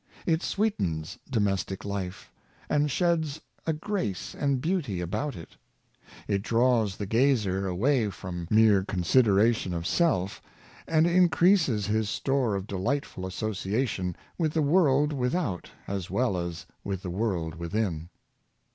It sweetens domestic life, and sheds a grace and beauty about it. It draws the gazer away from mere consideration of self, and increases his store of delightful association with the world without as well as with the world within.